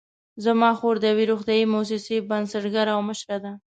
زما خور د یوې روغتیايي مؤسسې بنسټګره او مشره ده